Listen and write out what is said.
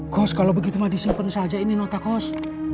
kos kalau begitu mah disiapkan saja ini nota kos